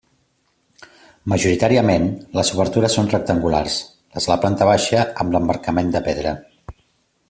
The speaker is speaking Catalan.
Majoritàriament, les obertures són rectangulars, les de la planta baixa amb l'emmarcament de pedra.